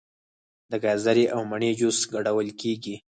د ګازرې او مڼې جوس ګډول کیږي.